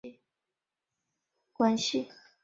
与基隆市政治人物宋玮莉为亲戚关系。